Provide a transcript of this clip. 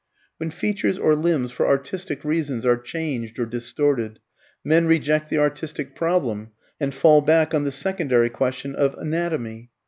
When features or limbs for artistic reasons are changed or distorted, men reject the artistic problem and fall back on the secondary question of anatomy.